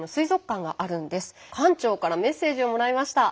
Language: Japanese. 館長からメッセージをもらいました。